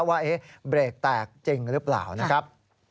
ว่าเบรกแตกจริงหรือเปล่านะครับ